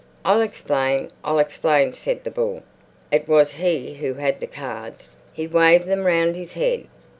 "I'll explain, I'll explain," said the bull. It was he who had the cards. He waved them round his head.